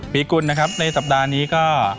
ปีกุลในสัปดาห์นี้ก็